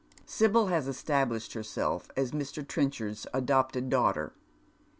Sibyl haa established herself as Mr. Trenchard's adopted daughter.